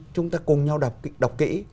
chúng ta cùng nhau đọc kỹ